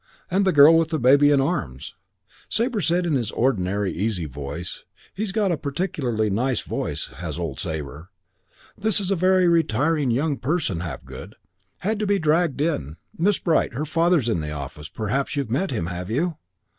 And the girl with the baby in her arms. Sabre said in his ordinary, easy voice he's got a particularly nice voice, has old Sabre 'This is a very retiring young person, Hapgood. Had to be dragged in. Miss Bright. Her father's in the office. Perhaps you've met him, have you?'